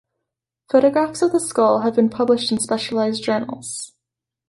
Photographs of the skull have been published in specialized journals.